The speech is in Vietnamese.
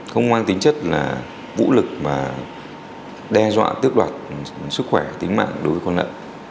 không mang tính chất là vũ lực mà đe dọa tước đoạt sức khỏe tính mạng đối với con nợ